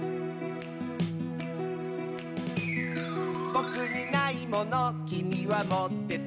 「ぼくにないものきみはもってて」